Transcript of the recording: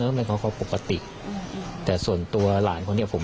แล้วยังมีสิทธิอยู่ที่นี่ก็ให้ยาเสพจะเยี่ยม